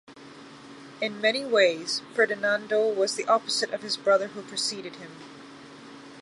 In many ways, Ferdinando was the opposite of his brother who preceded him.